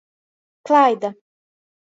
Klaida.